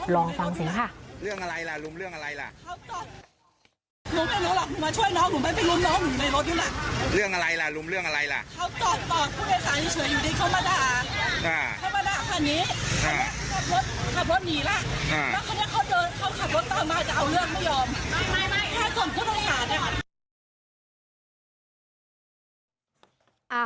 ลองฟังเสียงค่ะ